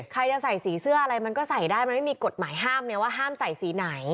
ใครจะใส่สีเสื้ออะไรมันก็ใส่ได้มันไม่มีกฎหมายห้ามไงว่าห้ามใส่สีไหน